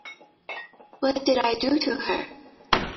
What did I do to her?